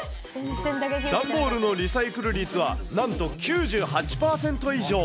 段ボールのリサイクル率はなんと９８％以上。